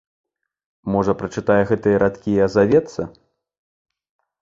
Можа, прачытае гэтыя радкі і азавецца?